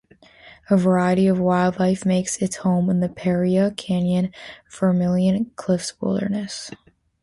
A variety of wildlife makes its home in the Paria Canyon-Vermilion Cliffs Wilderness.